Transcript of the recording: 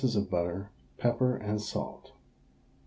of butter, pepper and salt.